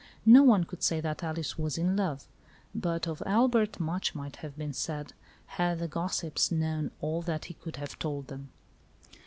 No one could say that Alice was in love, but of Albert much might have been said, had the gos sips known all that he could have told them.